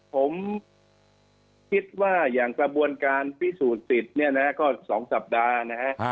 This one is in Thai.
ผมคิดว่ากระบวนการพิสูจน์สิทธิ์๒สัปดาห์